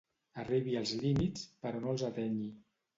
Arribi als límits però no els atenyi.